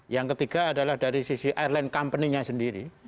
yang ketiga adalah dari sisi airline company nya sendiri